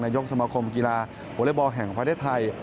ยกสมาคมกีฬาวอเล็กบอลแห่งประเทศไทย